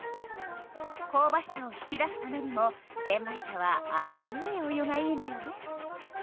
こうばしさを引き出すためにもげん米茶は熱いお湯がいいのよね。